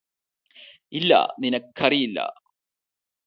ഇല്ല നിനക്കറിയില്ല